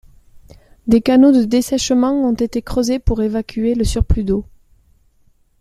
Des canaux de dessèchement ont été creusés pour évacuer le surplus d'eau.